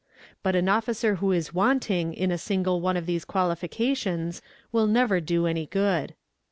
But an officer who is wanting in a single one of these qualifications will never do any good.